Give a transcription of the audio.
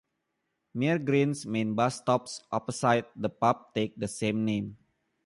Mere Greens main bus stops opposite the pub take the same name.